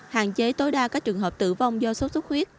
hạn chế tối đa các trường hợp tử vong do sốt xuất huyết